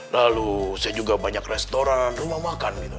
lalu saya juga banyak restoran rumah makan gitu